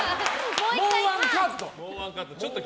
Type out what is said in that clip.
もうワンカット。